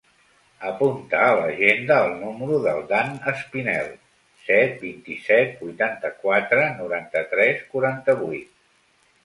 Apunta a l'agenda el número del Dan Espinel: set, vint-i-set, vuitanta-quatre, noranta-tres, quaranta-vuit.